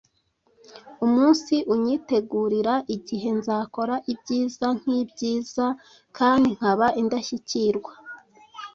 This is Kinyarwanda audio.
Umunsi unyitegurira igihe nzakora ibyiza nkibyiza, kandi nkaba indashyikirwa;